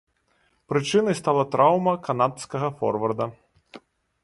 Прычынай стала траўма канадскага форварда.